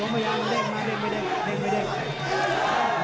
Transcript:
ไม่ได้ไม่ได้